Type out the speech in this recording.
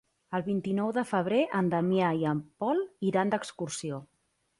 El vint-i-nou de febrer en Damià i en Pol iran d'excursió.